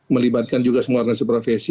melibatkan juga semua organisasi profesi